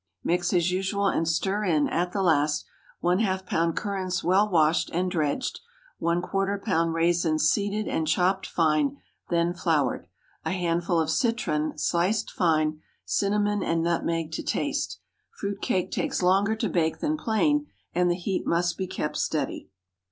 Mix as usual and stir in, at the last— ½ lb. currants well washed and dredged. ¼ lb. raisins seeded and chopped fine, then floured. A handful of citron sliced fine. Cinnamon and nutmeg to taste. Fruit cake takes longer to bake than plain, and the heat must be kept steady.